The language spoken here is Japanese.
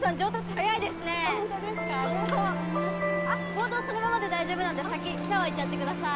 あっボードそのままで大丈夫なんで先シャワー行っちゃってください。